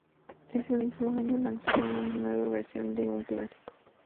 En ese mismo año, lanzaron una nueva versión de un clásico.